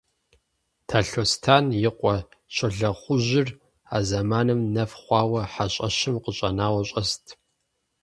Талъостэн и къуэ Щолэхъужьыр а зэманым нэф хъуауэ хьэщӀэщым къыщӀэнауэ щӀэст.